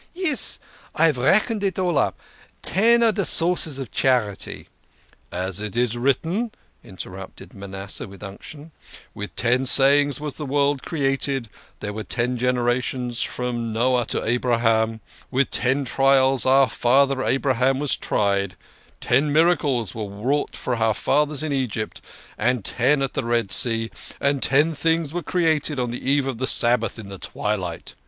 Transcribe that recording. " Yes ! I have reckoned it all up. Ten are de sources of charity " "As it is written," interrupted Manasseh with unction, "' With ten sayings was the world created ; there were ten generations from Noah to Abraham ; with ten trials our father Abraham was tried ; ten miracles were wrought for our fathers in Egypt and ten at the Red Sea ; and ten things were created on the eve of the Sabbath in the twi light